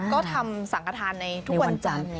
ก็ทำสังขทานในทุกวันจันทร์